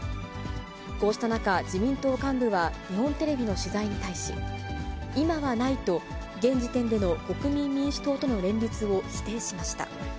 こうした中、自民党幹部は日本テレビの取材に対し、今はないと、現時点での国民民主党との連立を否定しました。